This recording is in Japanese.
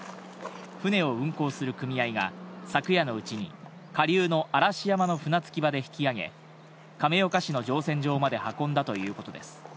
船を運航する組合が、昨夜のうちに下流の嵐山の船着き場で引き揚げ、亀岡市の乗船場まで運んだということです。